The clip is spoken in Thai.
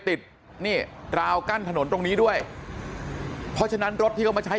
ติดนี่ราวกั้นถนนตรงนี้ด้วยเพราะฉะนั้นรถที่เขามาใช้